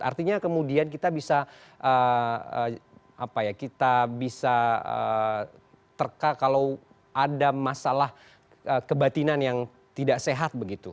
artinya kemudian kita bisa terka kalau ada masalah kebatinan yang tidak sehat begitu